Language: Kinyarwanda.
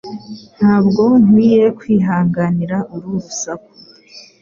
Ntabwo nkwiye kwihanganira uru rusaku.